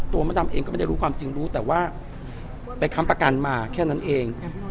มดดำเองก็ไม่ได้รู้ความจริงรู้แต่ว่าไปค้ำประกันมาแค่นั้นเอง